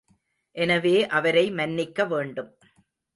எனவே, அவரை மன்னிக்க வேண்டும்.